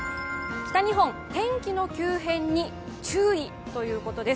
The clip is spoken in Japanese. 北日本、天気の急変に注意ということです。